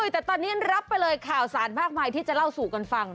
แต่ตอนนี้รับไปเลยข่าวสารมากมายที่จะเล่าสู่กันฟัง